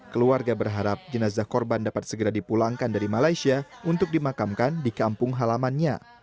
keluarga berharap jenazah korban dapat segera dipulangkan dari malaysia untuk dimakamkan di kampung halamannya